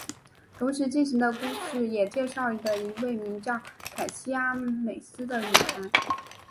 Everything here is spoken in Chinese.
同时进行的故事也介绍的一位名叫凯西阿美斯的女孩。